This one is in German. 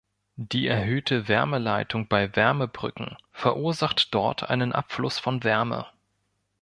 Die erhöhte Wärmeleitung bei Wärmebrücken verursacht dort einen Abfluss von Wärme.